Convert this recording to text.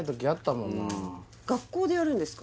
学校でやるんですか？